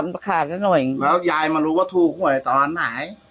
แล้วยายมารู้ว่าถูกห่วยตอนไหน